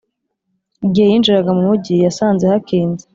Igihe yinjiraga mu mugi yasanze hakinze.